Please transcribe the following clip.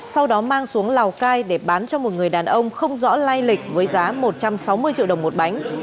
sau đó mang xuống lào cai để bán cho một người đàn ông không rõ lai lịch với giá một trăm sáu mươi triệu đồng một bánh